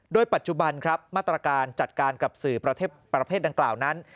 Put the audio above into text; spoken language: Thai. โดยปัจจุบันครับมาตรการจัดการกับสื่อประเภทดังกล่าวนั้น